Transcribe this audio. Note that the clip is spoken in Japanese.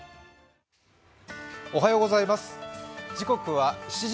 おはようございます。